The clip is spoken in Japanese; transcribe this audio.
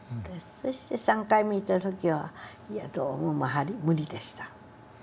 そして３回目行った時はいやどうも無理でした。